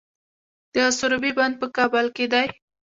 د سروبي بند په کابل کې دی